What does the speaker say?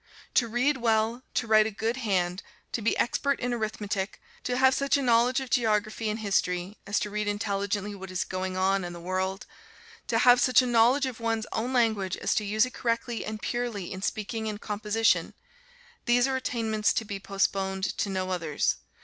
To read well, to write a good hand, to be expert in arithmetic, to have such a knowledge of geography and history as to read intelligently what is going on and the world, to have such a knowledge of one's own language as to use it correctly and purely in speaking and composition, these are attainments to be postponed to no others.